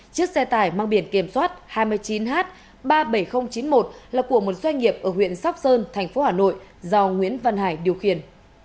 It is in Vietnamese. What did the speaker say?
chiếc xe tải mang biển kiểm soát hai mươi chín h ba mươi bảy nghìn chín mươi một là của một doanh nghiệp ở huyện sóc sơn thành phố hà nội do nguyễn văn hải điều khiển